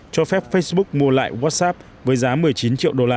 cho phép facebook mua lại whatsapp với giá một mươi chín triệu đô la